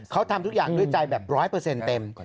เขาทำทุกอย่างด้วยใจแบบร้อยเปอร์เซ็นต์เต็ม